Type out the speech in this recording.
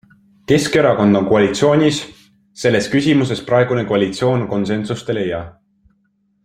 Keskerakond on koalitsioonis, selles küsimuses praegune koalitsioon konsensust ei leia.